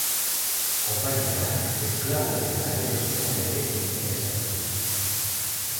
Konpainiak esklaboen salerosketan ere interesa zuen.